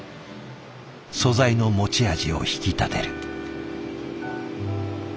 素材の持ち味を引き立てる。